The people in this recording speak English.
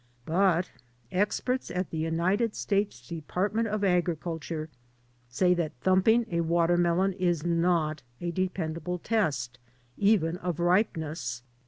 But experts in the United States Department of Agriculture say that thump ing a watermelon is not a dependable test, even of ripeness.